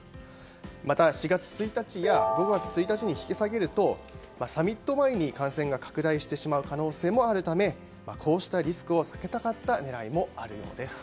また、４月１日や５月１日に引き下げるとサミット前に感染が拡大してしまう可能性もあるためこうしたリスクを避けたかった狙いもあるようです。